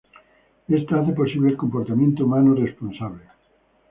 Esta hace posible el comportamiento humano responsable.